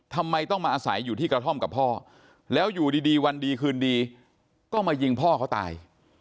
ทำไมต้องมาอาศัยอยู่ที่กระท่อมกับพ่อแล้วอยู่ดีวันดีคืนดีก็มายิงพ่อเขาตาย